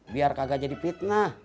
biar kagak jadi fitnah